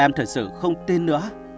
em thực sự không tin nữa